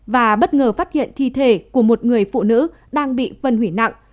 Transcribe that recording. và bất ngờ phát hiện thi thể của một người phụ nữ đang bị phân hủy nặng